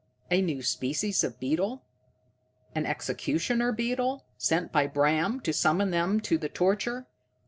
A new species of beetle? An executioner beetle, sent by Bram to summon them to the torture?